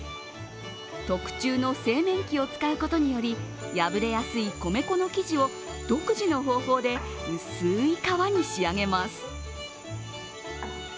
特注の製麺機を使うことにより、破れやすい米粉の生地を独自の方法で薄い皮に仕上げます。